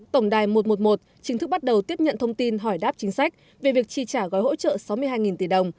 tổng đài một trăm một mươi một chính thức bắt đầu tiếp nhận thông tin hỏi đáp chính sách về việc trì trả gói hỗ trợ sáu mươi hai tỷ đồng